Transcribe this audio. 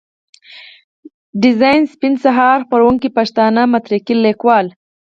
ډيزاين سپين سهار، خپروونکی پښتانه مترقي ليکوال.